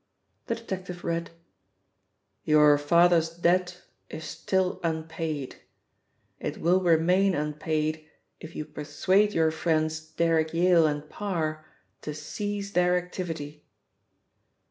The detective read: 'Your father's debt is still unpaid. It will remain unpaid if you persuade your friends Derrick Yale and Parr to cease their activity.'